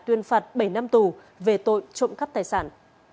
tuyên phạt bảy năm tù về tội trộm cắp tài sản